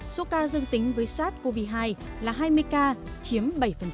số ca dương tính với sars cov hai là hai mươi ca chiếm bảy